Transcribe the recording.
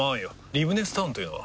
リブネスタウンというのは？